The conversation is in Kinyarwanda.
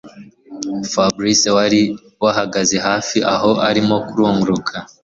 Fabric wari wahagaze hafi aho arimo kurunguruka